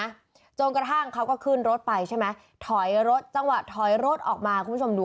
จนกระทั่งเขาก็ขึ้นรถไปใช่ไหมถอยรถจังหวะถอยรถออกมาคุณผู้ชมดู